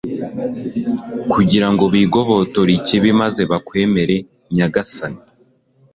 kugira ngo bigobotore ikibi maze bakwemere, nyagasani